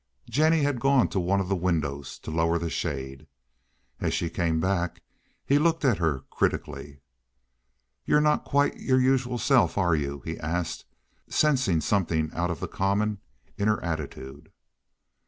Jennie had gone to one of the windows to lower the shade. As she came back he looked at her critically. "You're not quite your usual self, are you?" he asked, sensing something out of the common in her attitude.